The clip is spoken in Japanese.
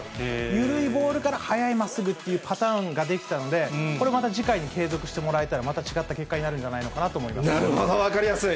緩いボールから速いまっすぐというパターンができたので、これまた次回に継続してもらえたら、また違った結果になるんじゃなるほど、分かりやすい。